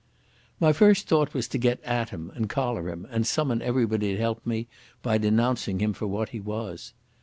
My first thought was to get at him and collar him and summon everybody to help me by denouncing him for what he was.